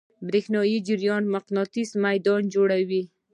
برېښنایی جریان مقناطیسي میدان جوړوي.